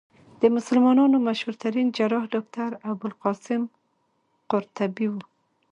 د مسلمانانو مشهورترين جراح ډاکټر ابوالقاسم قرطبي وو.